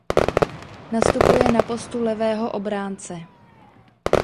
Nastupuje na postu levého obránce.